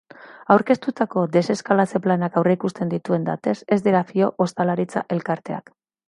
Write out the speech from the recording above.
Aurkeztutako deseskalatze planak aurreikusten dituen datez ez dira fio ostalaritza elkarteak.